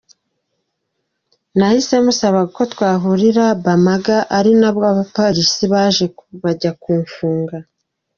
Nahise musaba ko twahurira Bamaga ari nabwo abapolisi baje bajya kumfunga.